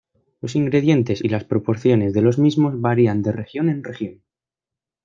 Los ingredientes y las proporciones de los mismos varían de región en región.